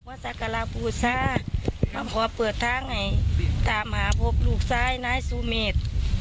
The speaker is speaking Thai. สักการาภูซาก็ขอเปิดทางให้ตามหาพบลูกซ้ายนายสุเมฆ